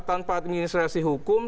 tanpa administrasi hukum